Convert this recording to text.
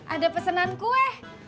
ada pesanan kue